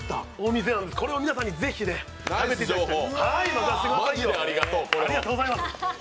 これを皆さんにぜひ食べていただきたい。